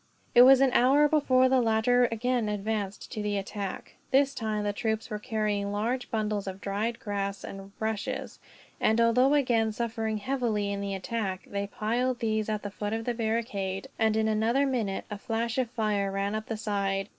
It was an hour before the latter again advanced to the attack. This time the troops were carrying large bundles of dried grass and rushes; and although again suffering heavily in the attack, they piled these at the foot of the barricade, and in another minute a flash of fire ran up the side.